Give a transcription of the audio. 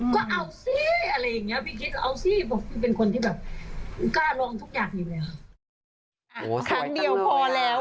ก็เอาสิบีคลิตเอาสิผมเป็นคนที่แบบกล้าลองทุกอย่างอยู่แล้ว